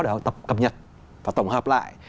để họ cập nhật và tổng hợp lại